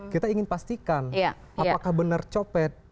kita ingin pastikan apakah benar copet